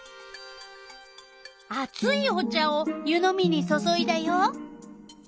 あついお茶を湯のみに注いだよ。